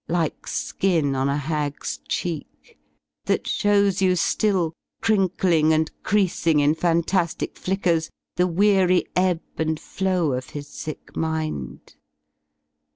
Like skin on a hag's cheeky that shows you §iill. Crinkling and creasing in fantastic flickers , The weary ebb and flow of his sick mind.